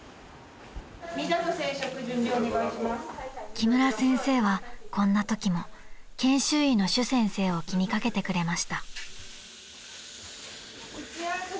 ［木村先生はこんなときも研修医の朱先生を気に掛けてくれました］